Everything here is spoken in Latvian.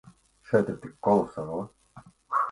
Šeit ir tik kolosāli.